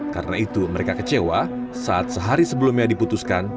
karena itu mereka kecewa saat sehari sebelumnya diputuskan